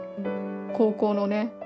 高校のね